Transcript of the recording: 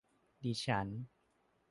ดิฉัน